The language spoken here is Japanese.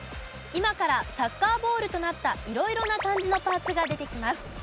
今からサッカーボールとなった色々な漢字のパーツが出てきます。